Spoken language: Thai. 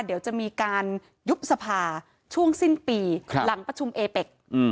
เดี๋ยวจะมีการยุบสภาช่วงสิ้นปีหลังประชุมเอเป็ก